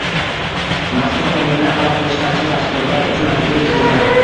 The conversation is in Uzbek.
Mazkur Qonunga amal qilish barcha tashkilotlar uchun majburiy deyilgan.